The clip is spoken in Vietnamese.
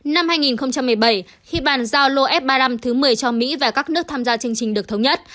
năm hai nghìn một mươi bảy khi bàn giao lô f ba mươi năm thứ một mươi cho mỹ và các nước tham gia chương trình được thống nhất